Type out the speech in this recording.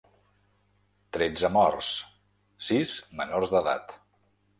Tretze morts, sis menors d’edat.